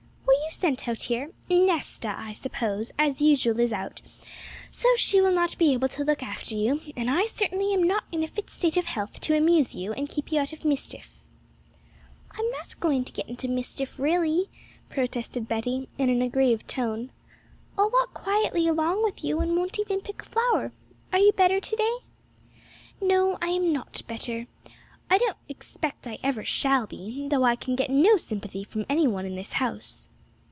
'Were you sent out here? Nesta, I suppose, as usual is out, so she will not be able to look after you, and I certainly am not in a fit state of health to amuse you and keep you out of mischief.' 'I'm not going to get into mischief, really,' protested Betty in an aggrieved tone; 'I'll walk quietly along with you, and won't even pick a flower. Are you better today?' 'No, I am not better I don't expect I ever shall be, though I can get no sympathy from any one in this house.'